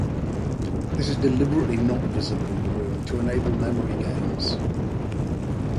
This is deliberately not visible in the room, to enable memory games.